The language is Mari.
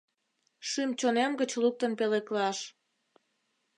Шӱм-чонем гыч луктын пӧлеклаш.